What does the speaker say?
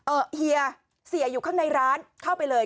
เฮียเสียอยู่ข้างในร้านเข้าไปเลย